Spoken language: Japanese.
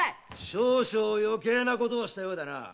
少々余計なことをしたようだな。